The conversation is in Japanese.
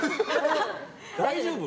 ・大丈夫？